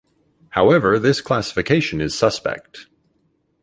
However, this classification is suspect.